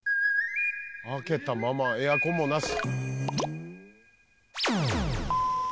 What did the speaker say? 開けたままエアコンもなし。